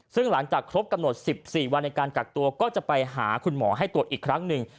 ซึ่งหลังจากครบกำหนด๑๔วันในการกักตัวก็จะไปหาคุณหมอให้ตรวจอีกครั้งหนึ่ง